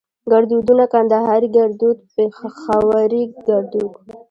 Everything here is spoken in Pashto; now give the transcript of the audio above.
ګړدودونه کندهاري ګړدود پېښوري ګړدود